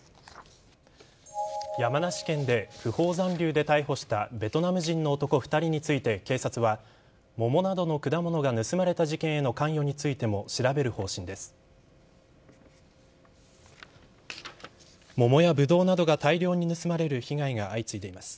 山梨県で不法残留で逮捕したベトナム人の男２人について警察は桃などの果物が盗まれた事件への関与についても調べる方針です。